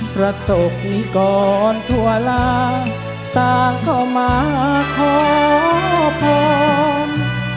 พระศพนี้กรอนทวลาตาก็มาขอพรม